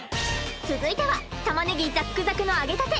続いては玉ねぎザクザクの揚げたて